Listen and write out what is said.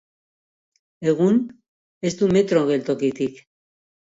Egun, ez du metro geltokitik.